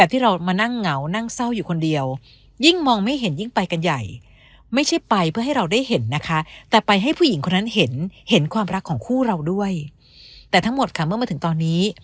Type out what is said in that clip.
ทั้งหมดเมื่อมาถึงตอนนี้